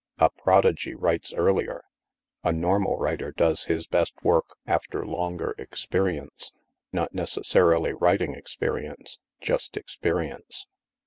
A prodigy writes earlier; a normal writer does his best work after longer experience: not necessarily writing experience; just experience.